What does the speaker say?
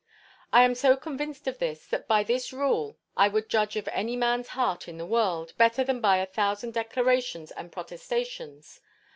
I am so convinced of this, that by this rule I would judge of any man's heart in the world, better than by a thousand declarations and protestations.